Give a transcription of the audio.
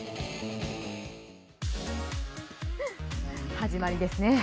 始まりですね。